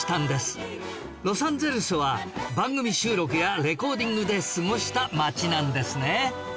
ロサンゼルスは番組収録やレコーディングで過ごした街なんですね